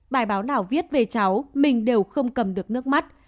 cháu viết về cháu mình đều không cầm được nước mắt